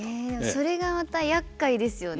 それがまたやっかいですよね。